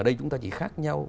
ở đây chúng ta chỉ khác nhau